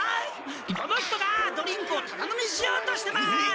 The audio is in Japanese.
この人がドリンクをタダ飲みしようとしてます！